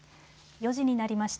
４時になりました。